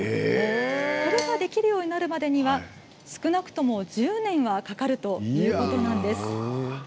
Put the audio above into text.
これができるようになるまでには少なくとも１０年はかかるということです。